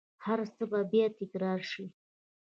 هرڅه به بیا تکرار شي